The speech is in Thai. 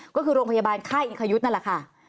ก็คือโรงพยาบาลค่ายอิคยุทธ์นั่นแหละค่ะ